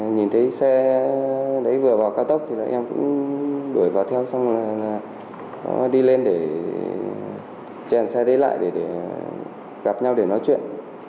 nhìn thấy xe đấy vừa vào cao tốc thì là em cũng đuổi vào theo xong là đi lên để chèn xe đấy lại để gặp nhau để nói chuyện